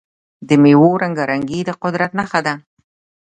د میوو رنګارنګي د قدرت نښه ده.